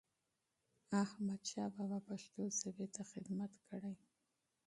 احمدشاه بابا پښتو ژبې ته خدمت کړی.